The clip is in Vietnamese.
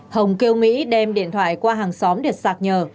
hồng kêu mỹ đem điện thoại qua hàng xóm để sạc nhờ